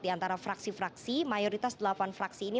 di antara fraksi fraksi mayoritas delapan fraksi ini